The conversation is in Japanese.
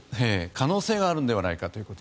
可能性はあるのではないかと。